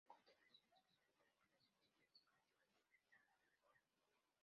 A continuación solo se detallan los sencillos exclusivos para este modo de juego.